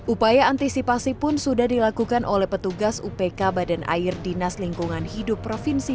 upaya antisipasi pun sudah dilakukan oleh petugas upk badan air dinas lingkungan hidup provinsi